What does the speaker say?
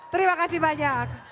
terima kasih banyak